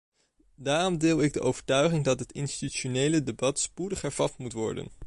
Daarom deel ik de overtuiging dat het institutionele debat spoedig hervat moet worden.